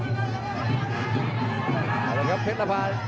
เอาเลยครับเพชรนภา